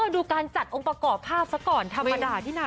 ดูการจัดองค์ประกอบภาพซะก่อนธรรมดาที่ไหน